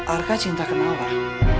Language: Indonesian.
arka cinta ke naurah